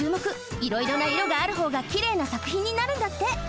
いろいろないろがあるほうがきれいなさくひんになるんだって。